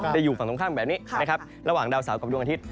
อยู่ฝั่งตรงข้ามแบบนี้นะครับระหว่างดาวเสาร์กับดวงอาทิตย